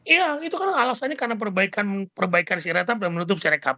iya itu kan alasannya karena perbaikan siretap dan menutup sirekap